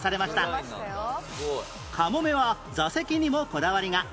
かもめは座席にもこだわりが